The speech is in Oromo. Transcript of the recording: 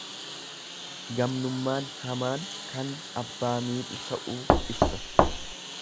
Gamnummaan hamaan kan abbaa miidhu ta'uu ibsa.